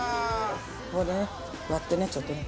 ここでね割ってねちょっとね。